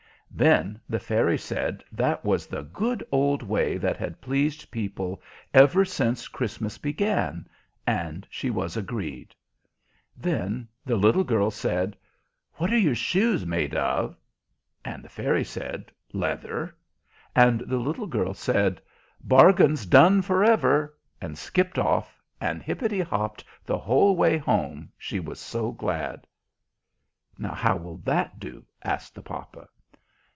Then the Fairy said that was the good old way that had pleased people ever since Christmas began, and she was agreed. Then the little girl said, "What're your shoes made of?" And the Fairy said, "Leather." And the little girl said, "Bargain's done forever," and skipped off, and hippity hopped the whole way home, she was so glad. "How will that do?" asked the papa.